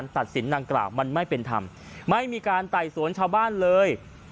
ตัดสินดังกล่าวมันไม่เป็นธรรมไม่มีการไต่สวนชาวบ้านเลย